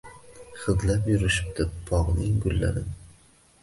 Hidlab yurishibdi bog’ning gullarin,» —